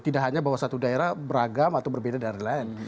tidak hanya bahwa satu daerah beragam atau berbeda dari lain